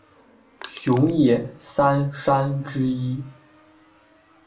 熊野三山之一。